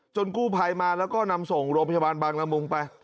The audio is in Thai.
กู้ภัยมาแล้วก็นำส่งโรงพยาบาลบางละมุงไป